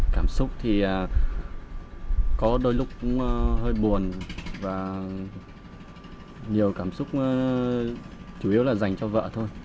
cảm xúc thì có đôi lúc cũng hơi buồn và nhiều cảm xúc chủ yếu là dành cho vợ thôi